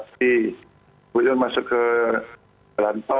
kemudian masuk ke lantau